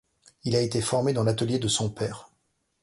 Il a été formé dans l'atelier de son père.